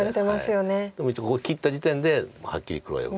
でも一応ここ切った時点ではっきり黒がよく。